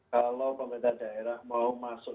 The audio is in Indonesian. kalau pemerintah daerah mau masuk